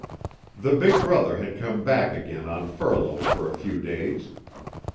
THE big brother had come back again on furlough for a few days.